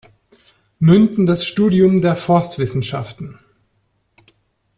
Münden das Studium der Forstwissenschaften.